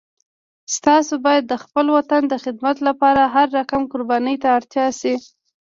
تاسو باید د خپل وطن د خدمت لپاره هر رقم قربانی ته تیار شئ